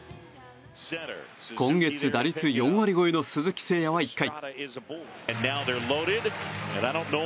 今月、打率４割超えの鈴木誠也は１回。